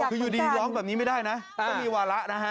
คืออยู่ดีร้องแบบนี้ไม่ได้นะก็มีวาระนะฮะ